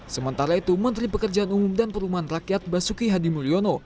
sementara itu menteri pekerjaan umum dan perumahan rakyat basuki hadimulyono